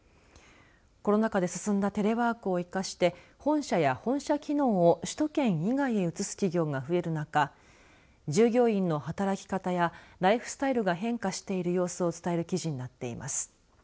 コロナ禍で進んだテレワークを生かして本社や本社機能を首都圏以外へ移す企業が増える中従業員の働き方やライフスタイルが変化している様子を伝える記事になっています。